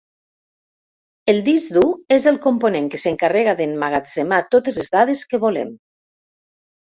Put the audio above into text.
El disc dur és el component que s'encarrega d'emmagatzemar totes les dades que volem.